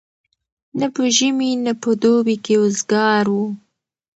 نه په ژمي نه په دوبي کي وزګار وو